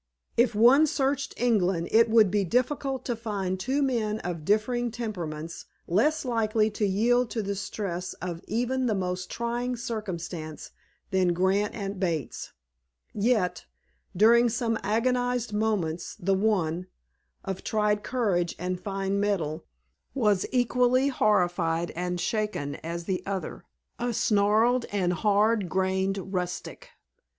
If one searched England it would be difficult to find two men of differing temperaments less likely to yield to the stress of even the most trying circumstance than Grant and Bates, yet, during some agonized moments the one, of tried courage and fine mettle, was equally horrified and shaken as the other, a gnarled and hard grained rustic.